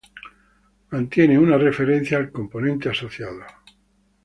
Mantiene una referencia al componente asociado.